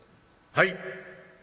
「はい！」。